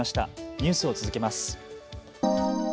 ニュースを続けます。